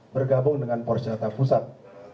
bergabung dengan pors jakarta pusat